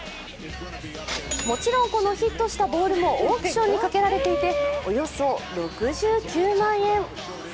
もちろん、このヒットしたボールもオークションにかけられていておよそ６９万円。